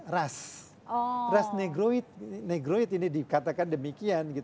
ras ras negroid ini dikatakan demikian